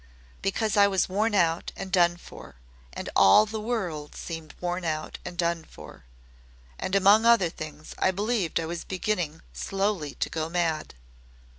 "Because I was worn out and done for, and all the world seemed worn out and done for. And among other things I believed I was beginning slowly to go mad."